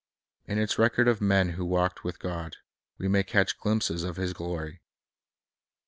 In its record of the men who walked with God, we may catch glimpses of His glory.